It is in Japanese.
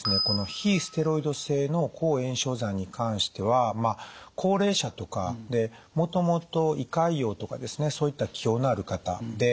この非ステロイド性の抗炎症剤に関しては高齢者とかもともと胃潰瘍とかですねそういった既往のある方。